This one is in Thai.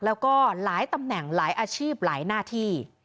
แล้วก็หลายตำแหน่งหลายอาชีพหลายหน้าที่